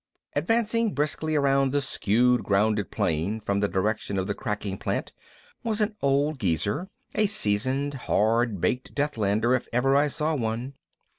Advancing briskly around the skewily grounded plane from the direction of the cracking plant was an old geezer, a seasoned, hard baked Deathlander if I ever saw one.